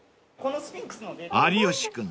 ［有吉君